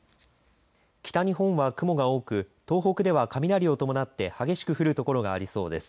北日本は雲が多く、東北では雷を伴って激しく降るところがありそうです。